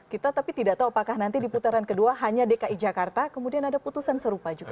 kita tapi tidak tahu apakah nanti di putaran kedua hanya dki jakarta kemudian ada putusan serupa juga